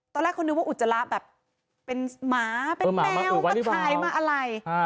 ตอนแรกเขานึกว่าอุจจาระแบบเป็นหมาเป็นแมวมาถ่ายมาอะไร